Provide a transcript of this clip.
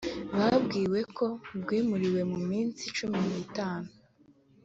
Babwiwe ko rwimuriwe mu minsi cumi n itanu